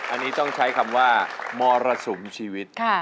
อันนี้ต้องใช้คำว่ามรสุมชีวิต